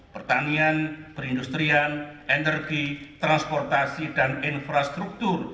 pertanian perindustrian energi transportasi dan infrastruktur